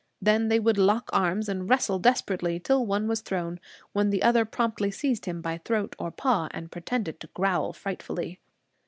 Then they would lock arms and wrestle desperately till one was thrown, when the other promptly seized him by throat or paw, and pretended to growl frightfully.